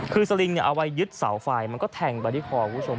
คือสลิงเอาไว้ยึดเสาไฟมันก็แทงไปที่คอคุณผู้ชม